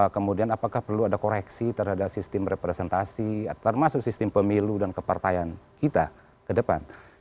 kemudian apakah perlu ada koreksi terhadap sistem representasi termasuk sistem pemilu dan kepartaian kita ke depan